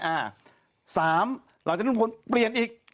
๓หลังจากนั้นลุงพลเปลี่ยนอีก